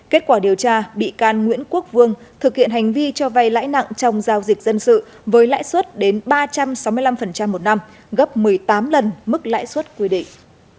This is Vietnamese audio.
kết quả điều tra bị can nguyễn quốc vương thực hiện hành vi cho vay lãi nặng trong giao dịch dân sự với lãi suất đến ba trăm sáu mươi năm một năm gấp một mươi tám lần mức lãi suất quy định